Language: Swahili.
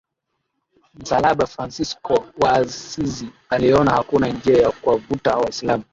msalaba Fransisko wa Asizi aliona hakuna njia ya kuwavuta Waislamu